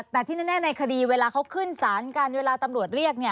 แต่ที่แน่ในคดีเวลาเขาขึ้นสารกันเวลาตำรวจเรียก